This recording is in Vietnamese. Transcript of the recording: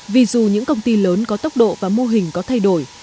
vì dù những công ty lớn có tốc độ và mô hình có thay đổi